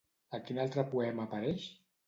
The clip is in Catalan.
A quin altre poema apareix?